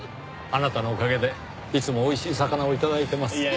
あなたのおかげでいつもおいしい魚を頂いてます。